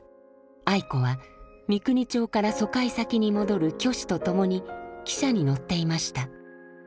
愛子は三国町から疎開先に戻る虚子と共に汽車に乗っていました。